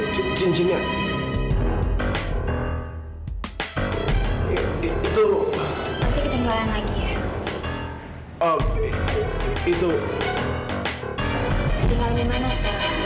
di malam dimana sekarang